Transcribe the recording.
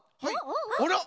あら！